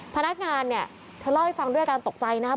พนักงานเนี่ยเธอเล่าให้ฟังด้วยอาการตกใจนะครับ